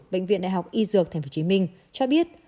bệnh viện đại học y dược tp hcm cho biết